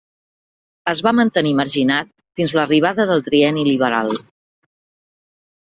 Es va mantenir marginat fins a l'arribada del Trienni Liberal.